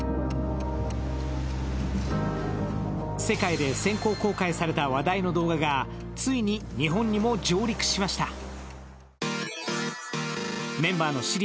世界で先行公開された話題の動画がついに日本にも上陸しました。